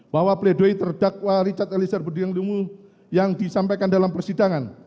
bahwa play doh yang terdakwa richard eliezer budiang lumiu yang disampaikan dalam persidangan